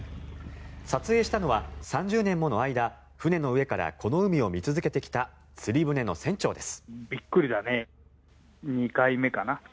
撮影したのは３０年もの間船の上からこの海を見続けてきた釣り船の船長です。